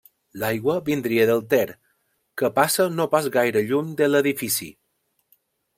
L'aigua vindria del Ter, que passa no pas gaire lluny de l'edifici.